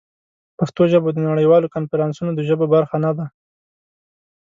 پښتو ژبه د نړیوالو کنفرانسونو د ژبو برخه نه ده.